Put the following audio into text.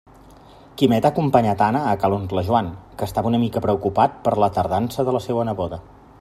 Quimet ha acompanyat Anna a ca l'oncle Joan, que ja estava una mica preocupat per la tardança de la seua neboda.